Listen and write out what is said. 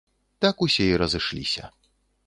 Так усе і разышліся.